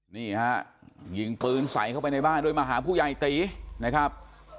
นี่ฮะยิงปืนใส่เข้าไปในบ้านด้วยมาหาผู้ใหญ่ตีนะครับ